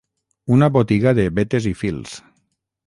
Una botiga de betes i fils